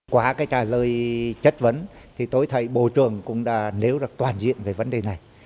qua cái trả lời chất vấn thì tôi thấy bộ trưởng cũng đã nêu ra toàn diện về vấn đề này